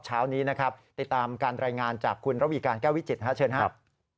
เช้านี้นะครับติดตามการรายงานจากคุณระวีการแก้ววิจิตรเชิญครับ